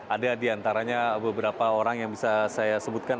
ada diantaranya beberapa orang yang bisa saya sebutkan